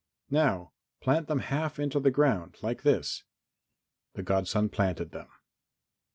"Now plant them half into the ground, like this." The godson planted them.